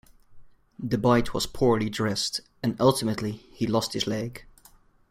The bite was poorly dressed, and ultimately he lost his leg.